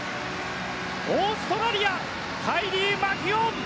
オーストラリアカイリー・マキュオン。